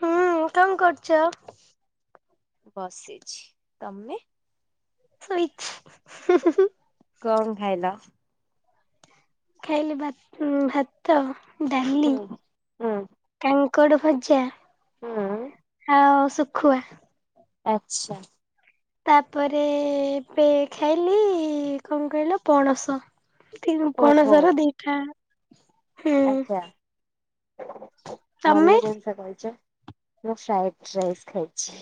ହୁଁ କଣ କରୁଚ? ବସିଛି। ତମେ? ଶୋଇଛି ହୁଁ ହୁଁ ହୁଁ। କଣ ଖାଇଲ? ଖାଇଲି ଭା ଭାତ ଡାଲି ହୁଁ ହୁଁ କାଙ୍କଡ଼ ଭଜା। ହଁ। ଆଉ ଶୁଖୁଆ। ଆଚ୍ଛା। ତାପରେ ଏବେ ଖାଇଲି କଣ କହିଲ ପଣସ। [unintelligible] ଓହୋ। ପଣସର ଦିଟା ହୁଁ ଆଚ୍ଛା। ତମେ? ଭଲ ଜିନିଷ ଖାଇଚ, ମୁଁ ଫ୍ରାଇଡ ରାଇସ୍ ଖାଇଛି।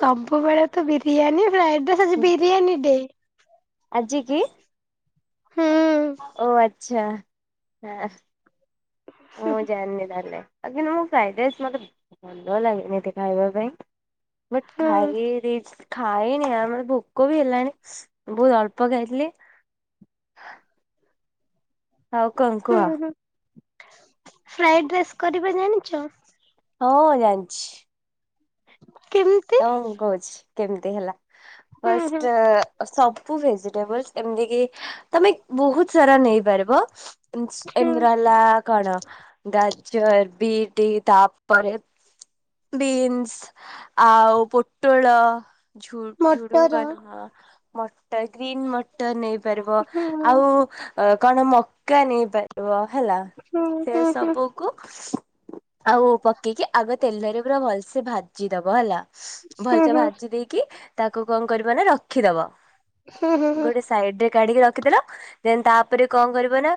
ସବୁବେଳେ ତ ବିରିୟାନୀ ଫ୍ରାଇଡ ରାଇ ଆଜି ବିରିୟାନୀ ଡେ। ଆଜି କି, ହୁଁ ଓ ଆ ଆଛା ହଁ ମୁଁ ଜାଣିନି ତାଲେ। କିନ୍ତୁ ମୁଁ ଫ୍ରାଇଡ଼ ରାଇସ ମତେ ଭଲ ଲାଗେନି ଏତେ ଖାଇବା ପାଇଁ ବଟ ହୁଁ ଖାଇ ଦେଇ ଖାଇନି ଆମର ଭୋକ ବି ହେଲାଣି ବହୁତ ଅଳ୍ପ ଖାଇଥିଲି। ଆଉ କଁ କୁହ। ଫ୍ରଏଡ ରାଇସ୍ କରିବା ଜାଣିଚ? ହଁ ଜାଣିଚି। କେମ ତ ମୁଁ କହୁଛି, କେମିତି ହେଲା ହୁଁ ହୁଁ ଫାଷ୍ଟ ସବୁ ଭେଜିଟେବଲସ ଏମିତି କି ତମେ ବହୁତ ସାରା ନେଇପାରିବ। ଇନ୍ସ ହୁଁ ଏନ୍ଦିରାଲା କଣ ଗାଜର, ବିଟି ତାପରେ ବିନ୍ସ ଆଉ ପୋଟଳ ଝୁ ମଟର ଝୁଡୁଙ୍ଗ ନୁହଁ। ମଟର ଗ୍ରୀନ୍ ମଟର ନେଇପାରିବ ହୁଁ ଆଉ କଣ ମକା ନେଇପାର ବ ହେଲା ହୁଁ ସେ ହୁଁ ହୁଁ ସବୁ କୁ ଆଉ ପକେଇକି ଆଗ ତେଲରେ ପୁରା ଭଲସେ ଭାଜି ଦବ ହେଲା ହୁଁ ଭଲସେ ହୁଁ ଭାଜି ଦେଇକି ତାକୁ କଁ କରିବ ନା ରଖିଦବ, ହୁଁ ହୁଁ ଗୋଟେ ସାଇଡ ରେ କାଢିକି ରଖିଦେଲ ଦେନ ତାପରେ କଣ କରିବ ନା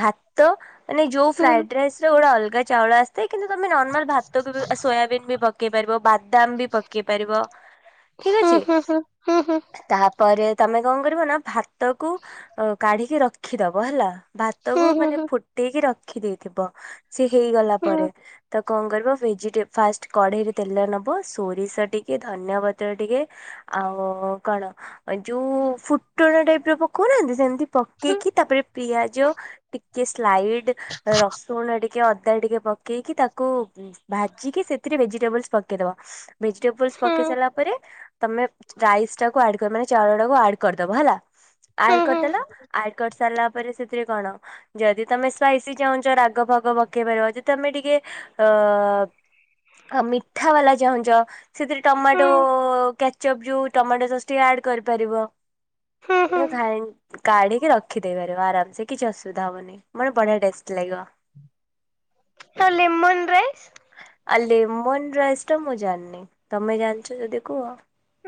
ଭା ତ ମାନେ ଯୋଉ ହୁଁ ହୁଁ ଫ୍ରାଇଡ ରାଇସ ର ଗୋଟେ ଅଲଗା ଚାଉଳ ଆସିଥାଏ କିନ୍ତୁ ତମେ ନର୍ମାଲ ଭାତକୁ ବି ସୋୟାବିନ୍ ବି ପକେଇ ପାରିବ ବାଦାମ ବି ପକେଇ ପାରିବ ତ ଠିକ ଅଛି। ଲେମନ ତାପରେ ତମେ କଣ କରିବ ନା ଭାତ କୁ କାଢିକି ରଖିଦବ ହେଲା। ଭାତ କୁ ମାନେ ଫୁଟେଇକି ରଖି ଦେଇେଥିବ ସେ ହେଇଗଲା ପରେ ତ କଣ କରିବ ଭେଜିଟେ ଫାଷ୍ଟ କଢେଇରେ ତେଲ ନେବ ସୋରିଷ ଟିକେ ଧନ୍ୟବାଦ [inaudible] ଟିକେ ଆଉ କଣ ଯୋଉ ଫୁ କୁଟଣ ଟାଇପ ର ପକଉନାହାନ୍ତି ସେମିତି ପକେଇକି ତାପରେ ପିଆଜ ଟ ଟିକେ ସ୍ଲାଇଡ ରସୁଣ ଟିକେ ଅଦା ଟିକେ ପକେଇକି ତାକୁ ଭାଜିକି ସେ ଭେଜିଟେବଲସ ପକେଇଦବ। ଭେଜିଟେବଲ୍ସ ପକେଇ ସାରିଲା ପରେ ତମେ ରାଇସ୍ ଟାକୁ ଆଡ ମାନେ ଚାଉଳ ଟାକୁ ଆଡ କରିଦବ ହେଲା। ଆୟଡ଼ କରିଦେଲ ଆୟଡ କରି ସାରିଲା ପରେ ସେଥିରେ କଣ ଯଦି ତମେ ସ୍ପାଇସି ଚାହୁଁଛ ରାଗ ଫାଗ ପକେଇ ପାରିବ ଯଦି ତମେ ଟିକେ ଅ ଆଉ ମିଠା ବାଲା ଚାହୁଁଛ ସେଥିରେ ଟମାଟୋ ଚପଜୁ ଟମାଟୋ ସସ୍ ଟିକେ ଆଡ୍ କରିପାରିବ ଖାଇ କାଢ଼ିକି ରଖିଦେଇ ପାରିବ ଆରାମସେ କିଛି ଅସୁବିଧା ହେବନି ମୋତେ ବଢ଼ିଆ ଟେଷ୍ଟ ଲାଗିବ। ହ ଲେମନ ରାଇସ୍ ଆ ଲେମନରାଇସି ଟା ମୁଁ ଜାଣିନି ତମେ ଜାଣିଛ ଯଦି କୁହ?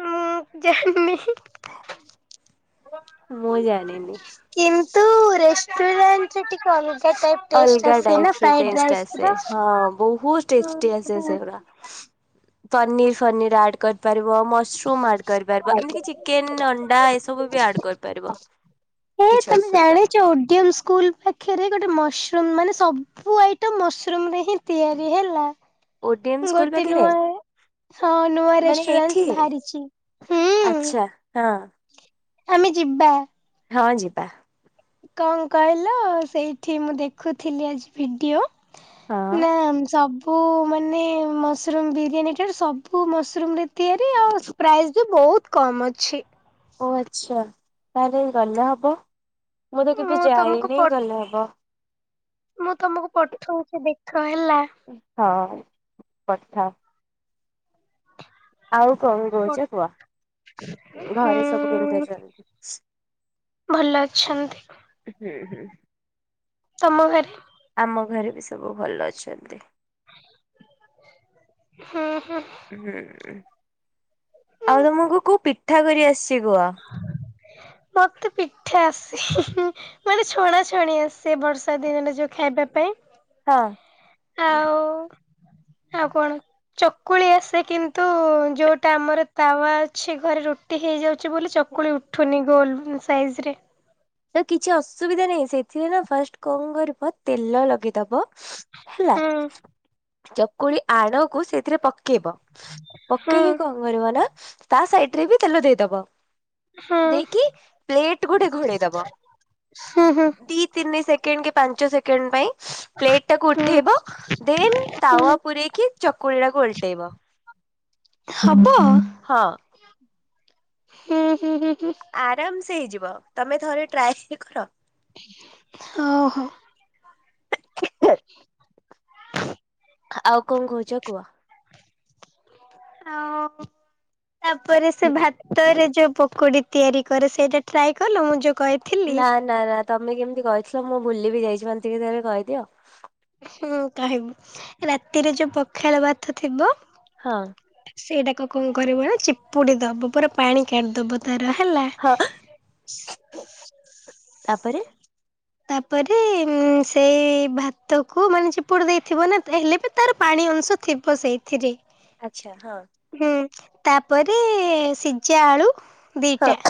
ମୁଁ ଜାଣିନି। ମୁଁ ଜାଣିନି। କିନ୍ତୁ ରେଷ୍ଟୁରାଣ୍ଟ ଟିକେ ଅଲ ଅଲଗା ଟାଇପ ଟେଷ୍ଟ ର। ଆସେ ହଁ ବହୁତ ଟେଷ୍ଟି ଆସେ ସେଗୁଡା। ପନିର ଫନିର ଆଡ୍ କର କରିପାରିବ ମସୁରୁମ ଆଡ କରିପାରିବ ଏମିତି ବି ଚିକେନ ଅଣ୍ଡା ଏସବୁ ବି ଆଡ କରିପାରିବ। କିଛି ଅସୁ କଣେ ଚୋଡିମ ସ୍କୁଲ ପାଖିରେ ଗୋଟେ ମସରୁମ ମାନେ ସବୁ ଆଇଟମ ମସରୁମ ରେ ହିଁ ତିଆରି ହେଲା। ଓଡ଼ିଏନ୍ ସ୍କୁଲ ଗୋଟେ ପାଖରେ? ନୂଆ ହଁ ନୂଆ ମାନେ ଏଇଠି ରେଷ୍ଟୁରାଣ୍ଟ ବାହାରିଛି ହୁଁ। ଆଚ୍ଛା। ହଁ। ଆମେ ଯିବା। ହଁ ଯିବା। କଣ କହିଲ ସେଇଠି ମୁଁ ଦେଖୁଥିଲି ଆଜି ଭିଡିଓ ହଁ ନା ସବୁ ମାନେ ମସରୁମ୍ ବିରିୟାନୀଟାରୁ ସବୁ ମସରୁମ ରେ ତିଆରି ଆଉ ପ୍ରାଇସ୍ ବି ବହୁତ କମୁ ଅଛି। ଓ ଆଚ୍ଛା ତାହେଲେ ଗଲେ ହବ ମୁଁ ତ କେବେ ତମକୁ ଯାଇନି ପ ଗଲେ ହବ। ମୁଁ ତମକୁ ପଠଉଛି ଦେଖ ହେଲା? ହଁ ପଠାଅ? ଆଉ କଣ କହୁଛ କୁହ ହୁଁ ଘରେ ସବୁ କେମିତି ଅଛନ୍ତି? ଭଲ ଅଛନ୍ତି। ହୁଁ ହୁଁ। ତମ ଘରେ ଆମ ଘରେ ବି ସବୁ ଭଲ ଅଛନ୍ତି। ହଁ ହଁ। ହୁଁ ହୁଁ ହୁଁ। ଆଉ ତମକୁ ପିଠା କରିଆସିବ? ମତେ ପିଠା ଆସେ ହିହି ନି। ମାନେ ଛଣା ଛଣି ଆସେ ବର୍ଷା ଦିନରେ ଯୋଉ ଖାଇବା ପାଇଁ। ହଁ। ହ [unintelligible] ଆଉ ଆଉ କଣ? ଚକୁଳି ଆସେ କିନ୍ତୁ ଯୋଉଟା ଆମର ତାୱା ଅଛି ଘରେ ରୁଟି ରୁଟି ହେଇଯାଉଛି ବୋଲି ଚକୁଳି ଉଠୁନି ଗୋଲ ସାଇଜ ରେ। ତ କିଛି ଅସୁବିଧା ନାହିଁ ସେଥିରେ ନା ଫାଷ୍ଟ କଣ କରିବ ତେଲ ଲଗେଇଦବ ହେଲା। ହୁଁ ଚକୁଳି ଆଣକୁ ସେଥିରେ ପକେଇବ ହୁଁ ପକେଇକି କଣ କରିବ ନା, ତା ସାଇଡ ରେ ବି ତେଲ ଦେଇଦବ ହୁଁ ଦେଇକି ପ୍ଲେଟ ଗୋଟେ ଘୋଡେ ବ ଦି ତିନି ସେକେଣ୍ଡ କି ପାଞ୍ଚ ସେକେଣ୍ଡ ପାଇଁ ପ୍ଲେଟ ଟାକୁ ହୁଁ ଉଠେଇବ ଦେନ ତାୱା ହୁଁ ପୂରେଇକି ଚକୁଳି ଟାକୁ ଓଲଟେଇବ। ହବ? ହଁ। ହୁଁ ହୁଁ ହୁଁ। ଆରାମସେ ହେଇଯିବ। ତମେ ଥରେ ଟ୍ରାଏ କର? ଓହୋ। [unintelligible] ଆଉ କଣ କହୁଛ କୁହ? ଆଉ ତାପରେ ସେ ଭାତରେ ଯୋଉ ପକୁଡି ତିଆରି କରେ ସେଇଟା ଟ୍ରାଏ କଲ? ମୁଁ ଯୋଉ କହିଥିଲି? ନା ନା ନା ତମେ କେମିତି କହିଥିଲ ମୁଁ ଭୁଲି ବିି ଯାଇଛି ମତେ ଟିକେ ଥରେ କହିଦିଅ? ହଁ କହିବି, ରାତିରେ ଯୋଉ ପଖାଳ ଭାତ ଥିବ ହଁ। ସେଇଟାକ କଣ କରିବ ନା ଚିପୁଡି ଦବ ପୁରା ପାଣି କାଢିଦବ ତାର ହେଲା। ହଁ ତାପରେ? ତାପରେ ସେଇ ଭାତ କୁ ମାନେ ଚିପୁଡି ଦେଇଥିବ ନା, ହେଲେ ବି ତାର ପାଣି ଅଂଶ ଥିବ ସେଇଥିରେ। ଆଚ୍ଛା ହଁ। ହୁଁ ତାପରେ ସିଝା ଆଳୁ ହଁ ଦିଟା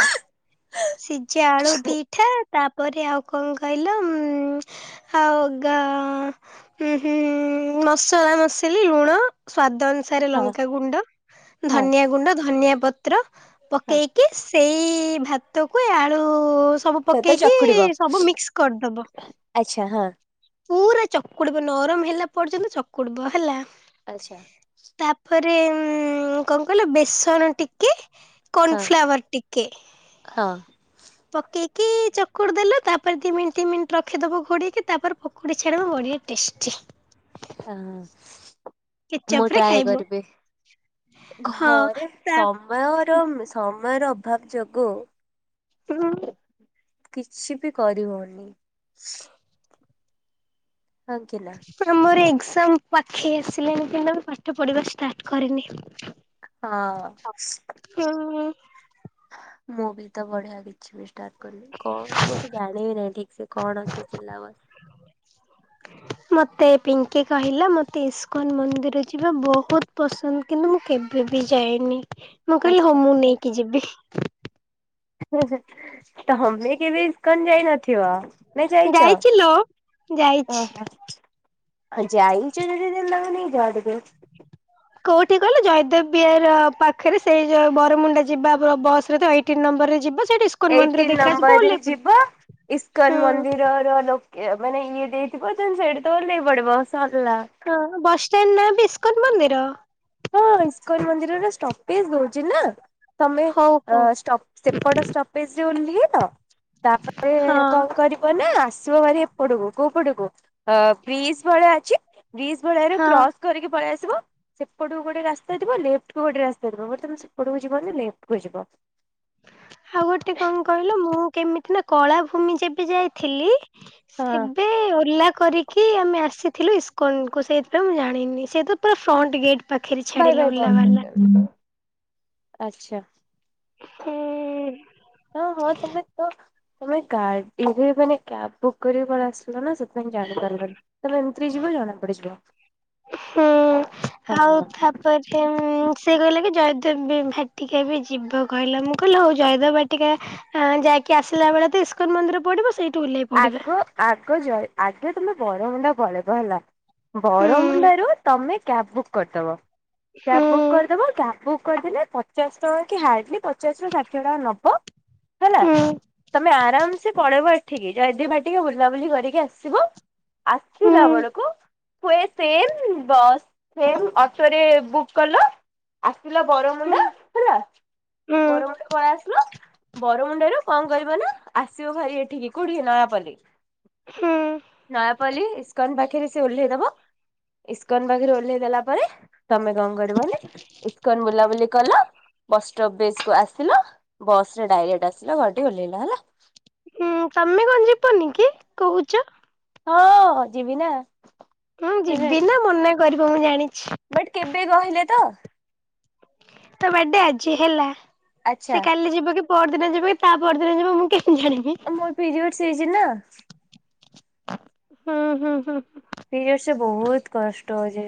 ସିଝା ଆଳୁ ଦିଟା, ତାପରେ ଆଉ କଣ କହିଲ? ଉ ହଉଗଅଁ ହୁଁ ହୁଁ ମସଲା ମସଲି ଲୁଣ ସ୍ୱାଦ ଅନୁ ସାରେ ହଁ ଲଙ୍କାଗୁଣ୍ଡ ହଁ ଧନିଆ ଗୁଣ୍ଡ, ଧନିଆ ପତ୍ର, ହଁ ପକେଇକି ସେଇ ଭାତକୁ ଆଳୁ ସବୁ ସେତ ପକେଇ କି ଚକୁଡିବ ସବୁ ମିକ୍ସ କରିଦେବ ଆଚ୍ଛା ହଁ। ପୁରା ଚକୁଡିବ ନରମ ହେଲା ପର୍ଯ୍ୟନ୍ତ ଚକୁଡିବ ହେଲା। ଆଚ୍ଛା। ତାପରେ ଉ କଣ କହିଲ ବେସନ ଟିକେ ହଁ କନଫ୍ଲାୱାର ଟିିକେ ହଁ ପକେଇକି ଚକୁଡି ଦେଲ ତାପରେ ଦି ମିନିଟ ତିନି ମିନିଟ୍ ରଖିଦବ ଘୋଡିକି ତାପରେ ପକୁଡି ଛାନିବ ବଢ଼ିଆ ଟେଷ୍ଟି। ହଁ। ମୁଁ କେଚପ ରେ ଟ୍ରାଏ ଖାଇବ କରିବି। ହଁ ଘରେ ତା ସମୟର ସମୟର ଅଭାବ ଯୋଗୁ ହୁଁ। କିଛି ବି କରିହଉନି। ହଁ କି ନା। ଆମର ଏକ୍ଜାମ ପାଖେଇ ଆସିଲେଣିି କିନ୍ତୁ ପାଠ ପଢିବା ଷ୍ଟାର୍ଟ କରିନି। ହଁ। ହୁଁ। ମୁଁ ବି ତ ବଢିଆ ବି କିଛି ବି ଷ୍ଟାର୍ଟ କରିନି। କଣ ମୁଁ ତ ଜାଣିବି ନାହିଁ ଠିକ୍ ସେ କଣ ଅଛି ଶୀଲା ବସ୍ ମୋତେ ପିଙ୍କି କହିଲା ମୋତେ ଇସ୍କନ୍ ମନ୍ଦିର ଯିବା ବହୁତ ପସନ୍ଦ କିନ୍ତୁ ମୁଁ କେବେ ବି ଯାଇନି। ମୁଁ କହିଲି ହଉ ଆଚ୍ଛା ମୁଁ ନେଇକି ଯିବି। ତମେ କେବେ ଇସ୍କନ ଯାଇ ନଥିବ? ନା ଯାଇଛ, ଯାଇଛି ଲୋ ଯାଇଛି ଓହୋ। ଆ ଯାଇଛ ଯଦି [unintelligible] କୋଉଠି କହିଲ ଜୟଦେବ ବିହାରାର ପାଖରେ ସେଇ ଯ ବରମୁଣ୍ଡା ଯିବା ବସ୍ ରେ ତ ଏଇଠି ତିନ ନମ୍ବରରେ ଯିବ ସେଠି ଏଇଟିନ୍ ନମ୍ବରରେ ଯିବ ଇସ୍କନ ହୁଁ ମନ୍ଦିରର ଲୋ ଇଏ ମାନେ ଇଏ ଦେଇଥିବ ଦେନ ସେଇଠି ତ ଓହ୍ଲେଇ ପଡ଼ିବ ସରଲା। ହଁ ବସ ଷ୍ଟାଣ୍ଡ ନା ଇସ୍କନ ମନ୍ଦିର? ହଁ ଇସ୍କଲ ମନ୍ଦିରରେ ଷ୍ଟପେଜ ଦଉଛି ନା। ତମେ ହଉ ଅ ହଉ ଷ୍ଟପ ସେପଟ ଷ୍ଟପ୍ ପେଜ ରେ ଓଲ୍ହେଇଲ ତାପରେ ହଁ କଣ କରି ଵନା ଆସିବ ହାରି ଏପଟକୁ, କୋଉ ପଟକୁ ବ୍ରିଜ ଭଳିଆ ଅଛି। ବ୍ରିଜ ଭଳିଆ ରୁ ହଁ କ୍ରସ କରିକି ପଳେଇ ଆସିବ। ସେପଟକୁ ଗୋଟେ ରାସ୍ତାଥିବ ଲେଫ୍ଟ୍ କୁ ଗୋଟେ ରାସ୍ତାଥିବ ବଟ୍ ତମେ ସେପଟକୁ ଜୀବନୀ ଲେଫ୍ଟ କୁ ଯିବ। ଆଉ ଗୋଟେ କଣ କହିଲ ମୁଁ କେମିତି ନା କଳାଭୂମି ଯେବେ ଯାଇଥିଲି। ହଁ ସେବେ ଓଲା କରିକି କି ଆମେ ଆସିଥିଲୁ ଇସ୍କନକୁୁ ସେଇଥିପାଇଁ ମୁଁ ଜାଣିନି। ସେ ତ ତା ଫ୍ରଣ୍ଟ ଗେଟ୍ ପାଖରେ ଭାଇ ଭାଇ ଛାଡ଼ିଲା ବନ୍ଦ ଓଲ୍ଲା ବାଲା। କରିଦିଅନ୍ତୁ ଆଚ୍ଛା। ହୁଁ। ହଁ ହଁ ତମ ତ। ତମେ ଗା ଏବେ ମାନେ କ୍ୟାବ ବୁକ୍ କରିକି ପଳେଇ ଆସିଲ ନା ସେଥିପାଇଁ ଜାଣିପାରିଲନି। ତମେ ଏମତିରେ ଯିବଜଣା ପଡ଼ି ଯିବ। ହୁଁ ହଁ ଆଉ ହଁ। ଥାପ୍ ପରେ ସେ କହିଲା କି ଜୟଦେବ ଭାଟିକା ବି ଯିବ କହିଲା ମୁଁ କହିଲି ହଉ ଜୟଦେବ ଭାଟିକା ଆ ଯାଇକି ଆସିଲା ବେଳେ ତ ଇସ୍କନ ମନ୍ଦିର ପଡ଼ିବ ସେଇ ଆଗ ଆଗ ଯୟ ଆଗେ ତମେ ବରମୁଣ୍ଡା ପଳେଇବ ହେଲା। ହୁଁ ବରମୁଣ୍ଡାରୁ ତମେ କ୍ୟାବ୍ ବୁକ୍ କରିଦବ। ହୁଁ କ୍ୟାବ ବୁକ୍ କରିଦବ କ୍ୟାବ ବୁକ୍ କରିଦେଲେ ପଚାଶ ଟଙ୍କା କି ହାର୍ଲି ପ ପଚାଶ ରୁ ଷାଠିଏ ଟଙ୍କା ନବ ହେଲା ହୁଁ ତମେ ଆରାମ ସେ ପଳେଇବ। ଠିକି ଯଏ ଦେବ ଭାଟିକା ବୁଲାବୁଲି କରିକି ଆସିବ ଆସିଲା ହୁଁ ବେଳୁକୁ ହୁଏ ସେମ ବସ୍ ସେମ ଅଟୋରେ ବୁକ୍ କଲ। ଆସିଲ ହୁଁ ବରମୁଣ୍ଡା ହେଲା ହୁଁ ବରମୁଣ୍ଡା ପଳେଇ ଆସିଲ ବରମୁଣ୍ଡାରୁ କଣ କରିବ ନା ଆସିବ ଭାରି ଏଠିକି କୋଉଠିକି ନୟାପଲ୍ଲୀ। ହୁଁ ନୟା ପଲ୍ଲୀ ଇସ୍କନ ପାଖରେ ସେ ଓହ୍ଲେଇ ଦବ ଇସ୍କନ ପାଖରେ ଓହ୍ଲେଇ ଦେଲା ପରେ ତମେ କଣ କରିବନି। ଇସ୍କନ ବୁଲାବୁଲି କଲ ବସଷ୍ଟପ ବେସ କୁ ଆସିଲ ବସ ରେ ଡାଇରେକ୍ଟ ଆସିଲ ଘରଠି ଓହ୍ଲେଇଲ ହେଲା। ହୁଁ ତମେ କଣ ଯିବନି କି କହୁଛ ହଁ ଯିବି ନା। ହଁ ଯିବି ନା ମନା କରିବ ମୁଁ ଜାଣିଛି। ବଟ୍ କେବେ କହିଲେ ତ? ତା ବାର୍ଡେ ଆଜି ହେଲା ଆଚ୍ଛା ସେ କାଲି ଯିବ କି ପରଦିନ ଯିବ କି ତା ପରଦିନ ଯିବ ମୁଁ କେମିତି ଜାଣିବି? ମୋର ପିରିୟଡ଼ସ ହେଇଛି ନା। ହୁଁ, ହୁଁ, ହୁଁ ହୁଁ। ପିରିୟଡସ ରେ ବହୁତ କଷ୍ଟ ହଉଜି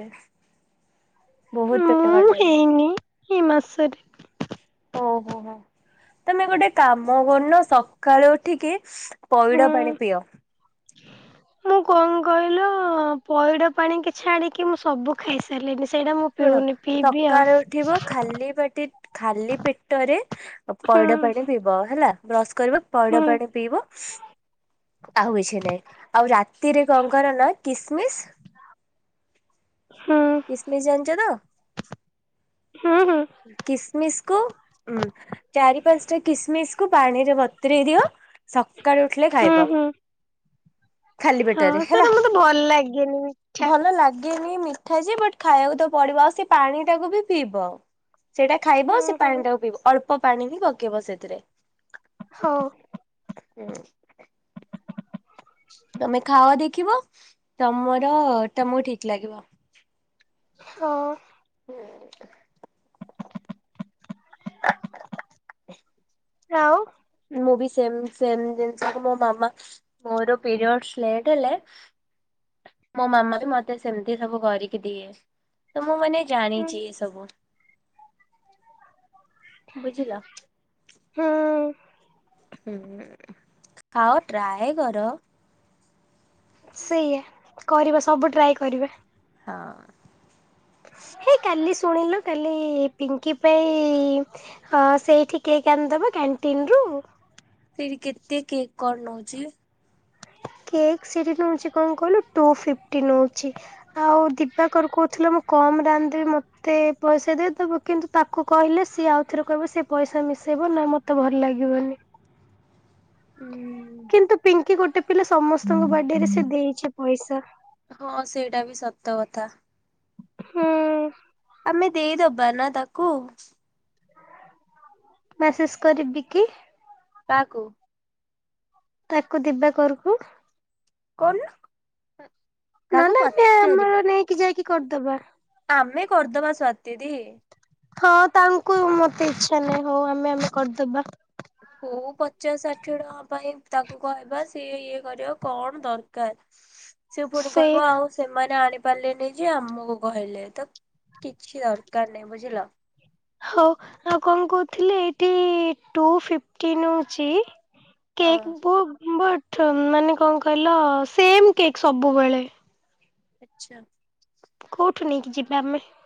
ବହୁତ ପେଟ କାଟୁଛି। ଇଏ ମାସରେ ଓ ହୋ, ହୋ ତମେ ଗୋଟେ କାମ କରୁନ ସକାଳୁ ଉଠିକି ହୁଁ। ପଇଡ଼ ପାଣି ପିଅ। [inaudible] ମୁଁ କଣ କହିଲ, ପଇଡ ପାଣି କିଛି ଆଣିକି ମୁଁ ସବୁ ଖାଇସାରିଲିନି। ସେଇଟା ମୁଁ ଶୁଣ ପିଉନି ପିଇବି ଆଉ ସକାଳୁ ଉଠିବ, ଖାଲି ପାଟି ଖାଲି ପେଟରେ ଆ ପଇଡ ହୁଁ ପାଣି ପିଇବ ହେଲା। ବ୍ରଶ କରିବ ହୁଁ ପଇଡ ପାଣି ପିଇବ ଆଉ କିଛି ନାଇଁ। ଆଉ ରାତିରେ କଣ କର ନା କିସମିସ ହୁଁ କିସମିସ୍ ଜାଣିଛ ତ? ହୁଁ, ହୁଁ। କିସମିସ୍ କୁ, ଉଁ। ଚାରି ପାଞ୍ଚଟା କିସମିସକୁ ପାଣିରେ ବତୁରେଇ ଦିଅ, ସକାଳୁ ଉଠିଲେ ହୁଁ ଖାଇବ। ହୁଁ ଖାଲି ହଉ ପେଟରେ ହେଲା। ସେଇଟା ମତେ ଭଲ ଲାଗେନି ମିଠା ଭଲ ଲାଗ ଗେନି ମିଠା ଯେ, ବଟ୍ ଖାଇବାକୁ ତ ପଡିବ। ଆଉ ସେ ପାଣିଟାକୁ ବି ପିଇବ। ସେଇଟା ଖାଇବ, ହୁଁ ସେ ହୁଁ ପାଣିଟାକୁ ପିଇବ। ଅଳ୍ପ ପାଣି ବି ପକେଇବ ସେଥିରେ। ହଉ। ଓକେ। ତମେ ଖାଅ ଦେଖିବ, ତମର ତମକୁ ଠିକ ଲାଗିବ। ହଉ। ହୁଁ। [inaudible] ଆଉ ମୁଁ ବି ସେମ, ସେମ ଜିନିଷକୁ ମୋ ମାମା ମୋର ପିରିୟଡସ୍ ଲେଟ ହେଲେ ମୋ ମାମା ବି ମତେ ସେମତି ସବୁ କରିକି ଦିଏ। ତ ମୁଁ ମାନେ ହୁଁ ଜାଣିଛି ଏ ସବୁ। ବୁଝିଲ? ହୁଁ। ହୁଁ ଉମ୍, ଖାଅ ଟ୍ରାଏ କର? ସେଇଆ, କରିବା ସବୁ ଟ୍ରାଏ କରିବା। ହଁ। ହେଇ କାଲି ଶୁଣିଲୁ କାଲି ପିଙ୍କି ପାଇଁ ହଁ ସେଇଠିି କେକ୍ ଆଣିଦବା କ୍ୟାଣ୍ଟିନରୁୁ ସେଇଠି କେତେ କେକ୍ କଣ ନଉଛି? କେକ୍ ସେଇଠି ନଉଛି କଣ କହିଲୁ, ଟୁ ଫିଫ୍ଟି ନଉଛି। ଆଉ ଦିବାକର କହୁଥିଲା ମୁଁ କମରେ ଆଣିଦେବି ମତେ ତେ ପଇସା ଦେଇଦବ। କିନ୍ତୁ ତାକୁ କହିଲେ ସିଏ ଆଉ ଥରେ କହିବ ସେ ପଇସା ମିଶେଇବ ନା ମ ତେ ଭଲ ଲାଗିବନି। ହୁଁ। କିନ୍ତୁ ପିଙ୍କି ଗୋଟେ ପିଲା ସମସ୍ତଙ୍କ ବାଡେରେ ସେ ଦେଇଛି ପଇସା। ହଁ ସେଇଟା ବି ସତ କଥା। ହୁଁ। ଆମେ ଦେଇଦବା ନା ତାକୁ। ମ୍ୟାସେଜ କରିବି କି? କାଆକୁ? ତାକୁ ଦିବାକରକୁ। କରୁନୁ। ତାକୁ ନହେଲେ ଆମେ ପଚାରିବ। ଆମର ନେଇକି ଯାଇକି କରିଦବା। ଆମେ କରିଦବା ସ୍ଵାତି ଦି। ହଁ ତାଙ୍କୁ ମତେ ଇଚ୍ଛା ନାହିଁ, ହଉ ଆମେ ଆମେ କରିଦବା। ହୋଉ ପଚାଶ ଷାଠିଏ ଟଙ୍କା ପାଇଁ ତାକୁ କହିବା, ସିଏ ଇଏ କରିବ କଣ ଦରକାର? [unintelligible] ସେ ପୁଣି କହିବ ଆଉ ସେମାନେ ଆଣିପାରିଲେଇନେଇ ଯେ ଆମକୁ କହିଲେ, ତ କିଛି ଦରକାର ନାହିଁ ବୁଝିଲ। ହଉ ଆଉ କଣ କହୁଥିଲି ଏଇଠି ଟୁ ଫିଟି ନଉଛି ହଁ କେକ୍ ବ ମାନେ କଣ କହିଲ ସେମ୍ କେକ୍ ସବୁବେଳେ। ଆଛା। କୋଉଠୁ ନେଇକି ଯିବା ଆମେ?